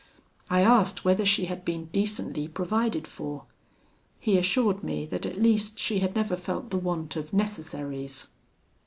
I asked whether she had been decently provided for. He assured me that at least she had never felt the want of necessaries.